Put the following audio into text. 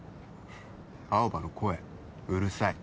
想：青葉の声、うるさい。